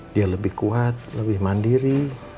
dia lebih kuat lebih mandiri